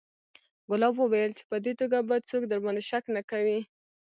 ګلاب وويل چې په دې توګه به څوک درباندې شک نه کوي.